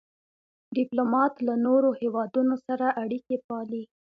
ډيپلومات له نورو هېوادونو سره اړیکي پالي.